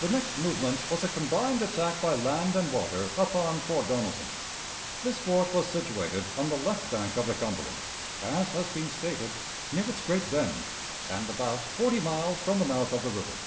The next movement was a combined attack by land and water upon Fort Donelson. This fort was situated on the left bank of the Cumberland, as has been stated, near its great bend, and about forty miles from the mouth of the river.